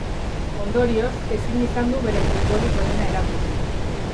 Ondorioz, ezin izan du bere futbolik onena erakutsi.